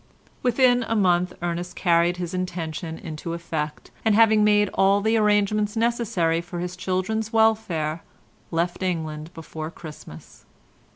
Within a month Ernest carried his intention into effect, and having made all the arrangements necessary for his children's welfare left England before Christmas.